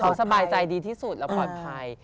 เขาสบายใจดีที่สุดเราปลอดภัย